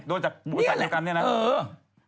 โดนจากผู้ใส่เหลวกันเนี่ยนะนี่แหละเออ